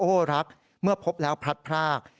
โอ้รักเมื่อแพบพบแล้วพระภรรค